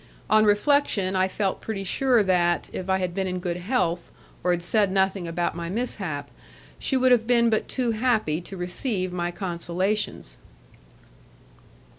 On reflection I felt pretty sure that, if I had been in good health, or had said nothing about my mishap, she would have been but too happy to receive my consolations.